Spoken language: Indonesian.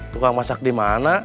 tukang masak di mana